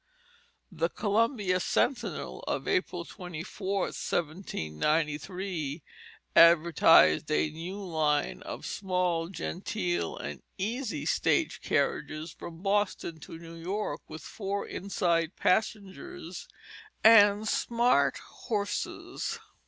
The Columbia Centinel of April 24, 1793, advertised a new line of "small genteel and easy stage carriages" from Boston to New York with four inside passengers, and smart horses.